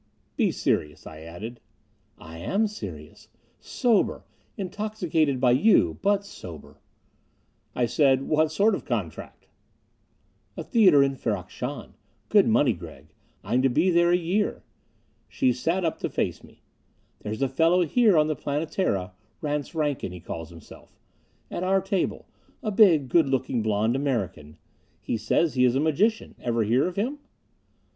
"Be serious," I added. "I am serious. Sober. Intoxicated by you, but sober." I said, "What sort of a contract?" "A theater in Ferrok Shahn. Good money, Gregg. I'm to be there a year." She sat up to face me. "There's a fellow here on the Planetara, Rance Rankin, he calls himself. At our table a big, good looking blond American. He says he is a magician. Ever hear of him?"